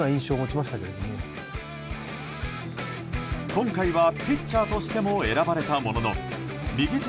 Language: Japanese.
今回はピッチャーとしても選ばれたものの右手